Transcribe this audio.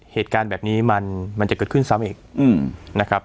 เหตุการณ์แบบนี้มันจะเกิดขึ้นซ้ำอีกนะครับ